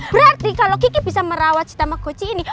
berarti kalau kiki bisa merawat si tamagotchi ini